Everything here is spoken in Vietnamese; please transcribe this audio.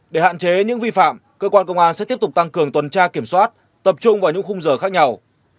để hạn chế những vi phạm cơ quan công an sẽ tiếp tục tăng cường tuần tra kiểm soát tập trung vào những khung giờ khác nhau